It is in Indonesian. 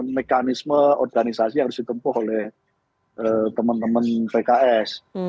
mekanisme organisasi yang harus ditempuh oleh teman teman pks